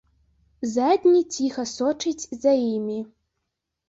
Задні ціха сочыць за імі.